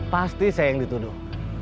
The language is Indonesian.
pasti saya yang dituduh